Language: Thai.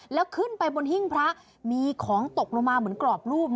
แล้วขึ้นไปบนหิ้งพระมีของตกลงมาเหมือนกรอบรูป